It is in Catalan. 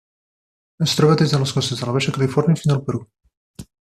Es troba des de les costes de la Baixa Califòrnia fins al Perú.